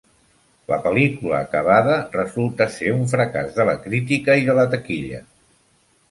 La pel·lícula acabada resultar ser un fracàs de la crítica i de la taquilla.